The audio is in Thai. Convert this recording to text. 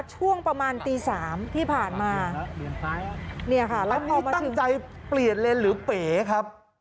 ช่วงประมาณตีสามที่ผ่านมาเนี่ยค่ะแล้วพอตั้งใจเปลี่ยนเลนหรือเป๋ครับ